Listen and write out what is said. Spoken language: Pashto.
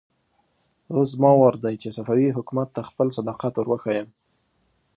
اوس زما وار دی چې صفوي حکومت ته خپل صداقت ور وښيم.